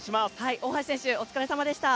大橋選手お疲れ様でした。